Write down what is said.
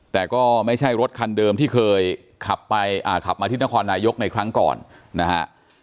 แต่ก็ไม่ใช่รถคันเดิมที่เคยขับไปขับมาที่นครนายกในครั้งก่อนนะฮะ